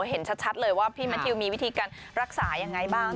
เห็นชัดเลยว่าพี่แมททิวมีวิธีการรักษายังไงบ้าง